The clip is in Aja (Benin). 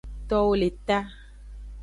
Towo le ta.